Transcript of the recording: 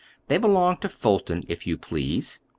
"They belong to Fulton, if you please.